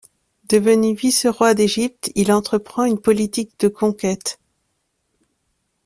Devenu vice-roi d'Égypte il entreprend une politique de conquêtes.